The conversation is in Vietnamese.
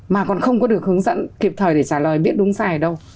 mà còn không có được hướng dẫn kịp thời để trả lời biết đúng sai đâu